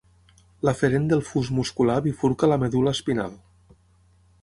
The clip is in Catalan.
L'aferent del fus muscular bifurca a la medul·la espinal.